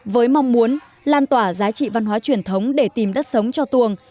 với mong muốn lan tỏa giá trị văn hóa truyền thống để tìm đất sống cho tuồng